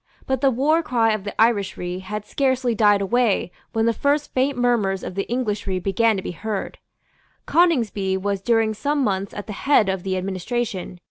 But the war cry of the Irishry had scarcely died away when the first faint murmurs of the Englishry began to be heard. Coningsby was during some months at the head of the administration.